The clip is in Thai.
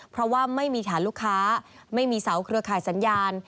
เพราะว่าไม่มีฐานลูกค้าไม่มีเสาเครือข่ายสัญญาณ